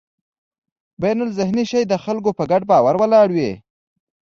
بینالذهني شی د خلکو په ګډ باور ولاړ وي.